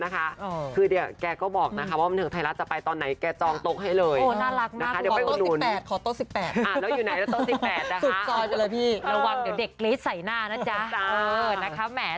ถ้าทางเมียจะใช้บ่อยนะจ๊ะ